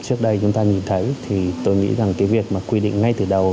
trước đây chúng ta nhìn thấy thì tôi nghĩ rằng cái việc mà quy định ngay từ đầu